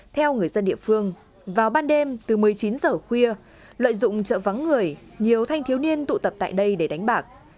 theo người dân địa phương vào ban đêm từ một mươi chín h khuya lợi dụng chợ vắng người nhiều thanh thiếu niên tụ tập tại đây để đánh bạc